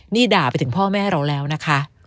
นี่ด่าไปถึงพ่อแม่เราแล้วนะคะ